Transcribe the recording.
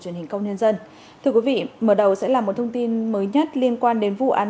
truyền hình công nhân dân thưa quý vị mở đầu sẽ là một thông tin mới nhất liên quan đến vụ án